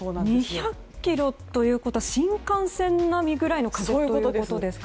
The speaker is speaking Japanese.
２００キロということは新幹線並みの風がくるということですか。